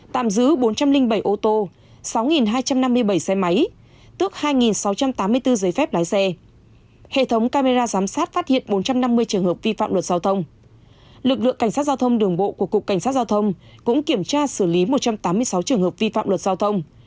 lực lượng cảnh sát giao thông đường bộ của cục cảnh sát giao thông cũng kiểm tra xử lý một trăm tám mươi sáu trường hợp vi phạm luật giao thông